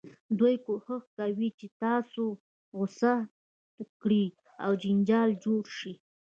دوی کوښښ کوي چې تاسو غوسه کړي او جنجال جوړ شي.